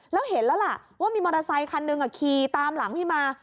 แล้วเห็นแล้วล่ะว่ามีมอเตอร์ไซคันหนึ่งขี่ตามหลังพี่มา